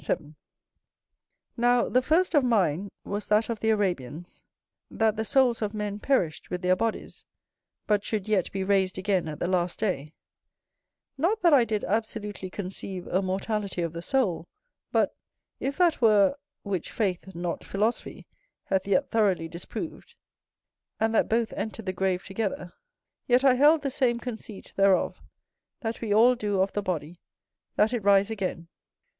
Sect. 7. Now, the first of mine was that of the Arabians; that the souls of men perished with their bodies, but should yet be raised again at the last day: not that I did absolutely conceive a mortality of the soul, but, if that were (which faith, not philosophy, hath yet thoroughly disproved), and that both entered the grave together, yet I held the same conceit thereof that we all do of the body, that it rise again.